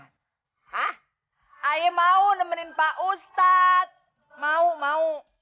hah ayo mau nemenin pak ustadz mau mau